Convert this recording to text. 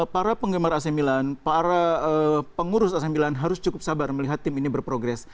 para penggemar ac milan para pengurus ac milan harus cukup sabar melihat tim ini berprogres